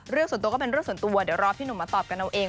เรื่องส่วนตัวก็เป็นเรื่องส่วนตัวเดี๋ยวรอพี่หนุ่มมาตอบกันเอาเอง